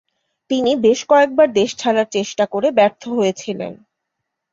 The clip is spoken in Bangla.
তিনি বেশ কয়েকবার দেশ ছাড়ার চেষ্টা করে ব্যর্থ হয়েছিলেন।